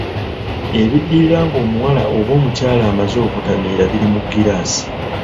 Ebiddirira ng'omuwala oba omukyala amaze okutamira biri mu giraasi.